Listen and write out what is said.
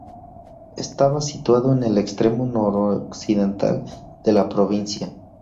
Estaba situado en el extremo noroccidental de la provincia.